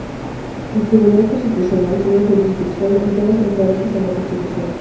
El Tribunal Constitucional tiene jurisdicción en temas referentes a la Constitución.